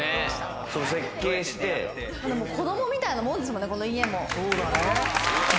設計して、子どもみたいなもんですもんね、この家も。